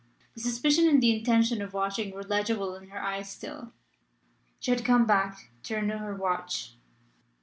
The suspicion and the intention of watching were legible in her eyes still. She had come back to renew her watch.